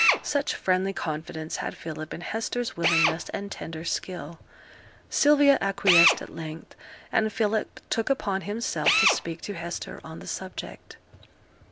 Such friendly confidence had Philip in Hester's willingness and tender skill. Sylvia acquiesced at length, and Philip took upon himself to speak to Hester on the subject.